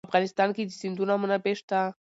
په افغانستان کې د سیندونه منابع شته.